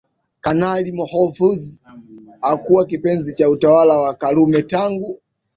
Kanali Mahfoudh hakuwa kipenzi cha utawala wa Karume tangu